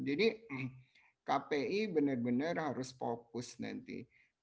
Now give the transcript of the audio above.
jadi kpi benar benar harus fokus nanti